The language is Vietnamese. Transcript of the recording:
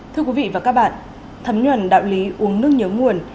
thưa quý vị và các bạn thấm nhuần đạo lý uống nước nhớ nguồn